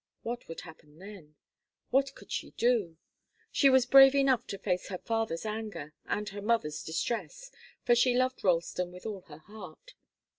What would happen then? What could she do? She was brave enough to face her father's anger and her mother's distress, for she loved Ralston with all her heart.